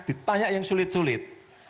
ditanya yang sulit sulit